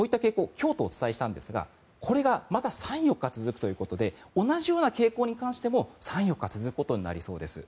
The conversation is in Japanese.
今日とお伝えしたんですがこれがまだ３４日続くということで同じような傾向に関しても３４日続くことになりそうです。